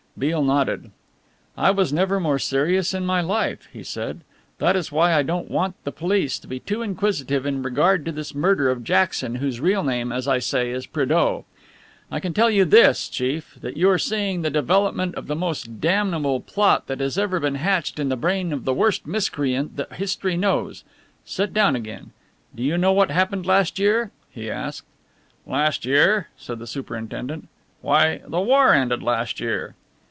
Beale nodded. "I was never more serious in my life," he said, "that is why I don't want the police to be too inquisitive in regard to this murder of Jackson, whose real name, as I say, is Prédeaux. I can tell you this, chief, that you are seeing the development of the most damnable plot that has ever been hatched in the brain of the worst miscreant that history knows. Sit down again. Do you know what happened last year?" he asked. "Last year?" said the superintendent. "Why, the war ended last year."